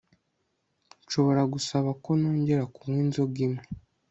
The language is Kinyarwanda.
nshobora gusaba ko nongera kunywa inzoga imwe